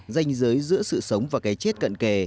danh giới giữa sự sống và cái chết cận kề